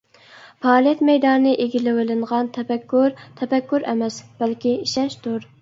پائالىيەت مەيدانى ئىگىلىۋېلىنغان تەپەككۇر، تەپەككۇر ئەمەس، بەلكى ئىشەنچتۇر.